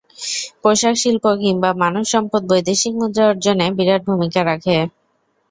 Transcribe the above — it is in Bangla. পোশাক শিল্প কিংবা মানব সম্পদ বৈদেশিক মুদ্রা অর্জনে বিরাট ভূমিকা রাখে।